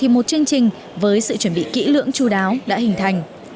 một chương trình với sự chuẩn bị kỹ lưỡng chú đáo đã hình thành